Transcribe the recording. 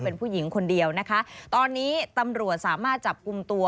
เป็นผู้หญิงคนเดียวนะคะตอนนี้ตำรวจสามารถจับกลุ่มตัว